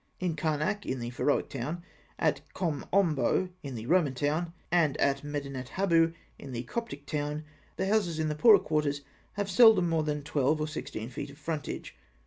At Karnak, in the Pharaonic town; at Kom Ombo, in the Roman town; and at Medinet Habû, in the Coptic town, the houses in the poorer quarters have seldom more than twelve or sixteen feet of frontage.